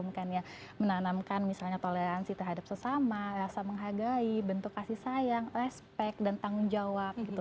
menanamkan misalnya toleransi terhadap sesama rasa menghargai bentuk kasih sayang respect dan tanggung jawab gitu